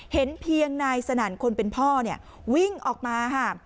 เห็นเพียงนายสนั่นคนเป็นพ่อเนี่ยวิ่งออกมาค่ะ